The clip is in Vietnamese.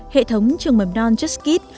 hệ thống trường mầm non justkid